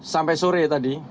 sampai sore tadi